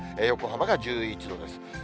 横浜が１１度です。